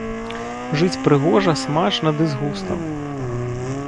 Жыць прыгожа, смачна ды з густам.